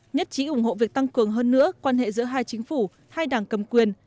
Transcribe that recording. nhất trí ủng hộ việc tăng cường hơn nữa quan hệ giữa hai chính phủ hai đảng cầm quyền